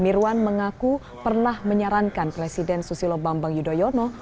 mirwan mengaku pernah menyarankan presiden susilo bambang yudhoyono